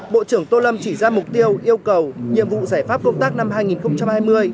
bộ trưởng tô lâm chỉ ra mục tiêu yêu cầu nhiệm vụ giải pháp công tác năm hai nghìn hai mươi